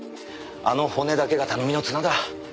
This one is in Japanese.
あの骨だけが頼みの綱だ。